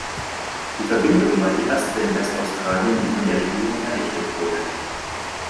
Die Verbindung war die erste in Westaustralien, die von der Regierung errichtet wurde.